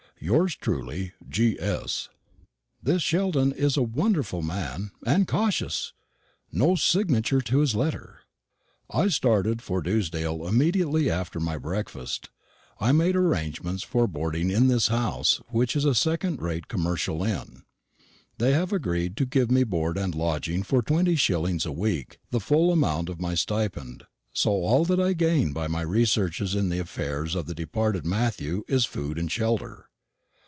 Yours truly, G.S." This Sheldon is a wonderful man, and a cautious! no Signature to his letter. I started for Dewsdale immediately after my breakfast. I have made arrangements for boarding in this house, which is a second rate commercial inn. They have agreed to give me board and lodging for twenty shillings a week the full amount of my stipend: so all that I gain by my researches in the affairs of the departed Matthew is food and shelter.